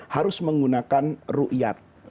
harus menggunakan rukyat